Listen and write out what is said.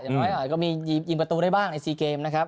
อย่างน้อยก็มียิงประตูได้บ้างใน๔เกมนะครับ